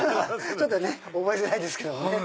ちょっと覚えづらいですけどね。